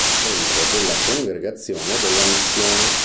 Membro della Congregazione della Missione.